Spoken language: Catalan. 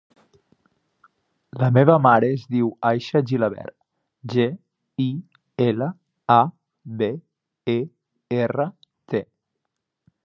La meva mare es diu Aixa Gilabert: ge, i, ela, a, be, e, erra, te.